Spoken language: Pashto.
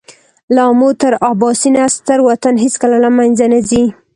له آمو تر اباسینه ستر وطن هېڅکله له مېنځه نه ځي.